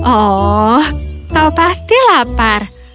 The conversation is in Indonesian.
oh kau pasti lapar